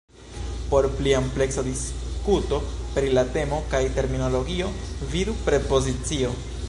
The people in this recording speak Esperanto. Por pli ampleksa diskuto pri la temo kaj terminologio, vidu "prepozicio".